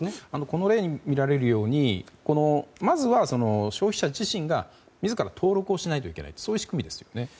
この例に見られるようにまずは、消費者自身が自ら登録をしないといけないとそうなんです。